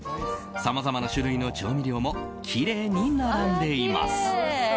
さまざまな種類の調味料もきれいに並んでいます。